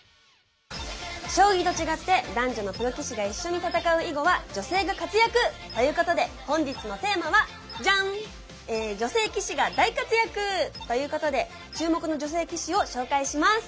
将棋と違って男女のプロ棋士が一緒に戦う囲碁は女性が活躍！ということで本日のテーマはじゃん！ということで注目の女性棋士を紹介します。